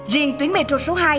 riêng tuyến metro số hai